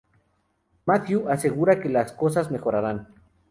Matthew asegura que las cosas mejorarán.